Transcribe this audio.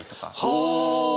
はあ！